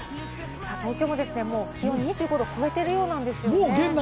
東京もですね、きのう２５度を超えているようなんですね。